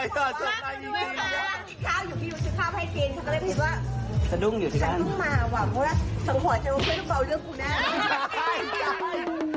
ก็ต้องมาก็ต้องมา